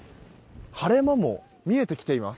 晴れ間も見えてきています。